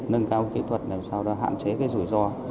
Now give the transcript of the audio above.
nâng cao kỹ thuật làm sao đó hạn chế cái rủi ro